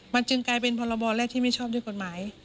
มันจึงกลายเป็นพรบแรกที่ไม่ชอบด้วยกฎหมาย